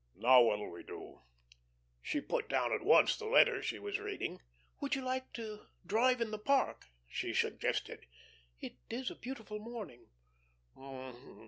"Now what'll we do?" She put down at once the letter she was reading. "Would you like to drive in the park?" she suggested. "It is a beautiful morning."